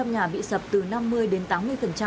một trăm nhà bị sập từ năm mươi đến tám mươi